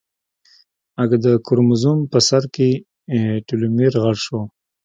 اگه د کروموزوم په سر کې ټيلومېر غټ شو.